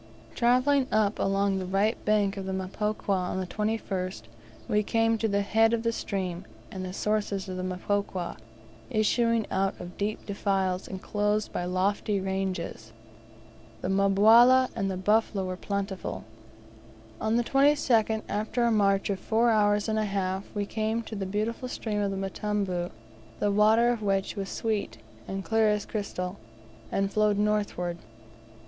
Travelling up along the right bank of the Mpokwa, on the 21st we came to the head of the stream, and the sources of the Mpokwa, issuing out of deep defiles enclosed by lofty ranges. The mbawala and the buffalo were plentiful. On the 22nd, after a march of four hours and a half, we came to the beautiful stream of Mtambu the water of which was sweet, and clear as crystal, and flowed northward.